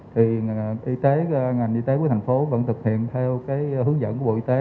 thì ngành y tế tp hcm vẫn thực hiện theo cái hướng dẫn của bộ y tế